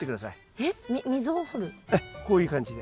ええこういう感じで。